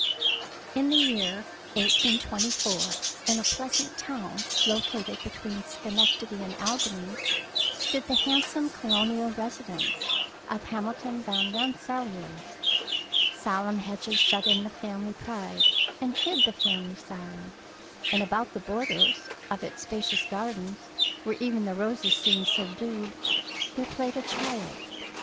WILLIAM C. GANNETT Dawn of the Morning CHAPTER I In the year 1824, in a pleasant town located between Schenectady and Albany, stood the handsome colonial residence of Hamilton Van Rensselaer. Solemn hedges shut in the family pride and hid the family sorrow, and about the borders of its spacious gardens, where even the roses seemed subdued, there played a child.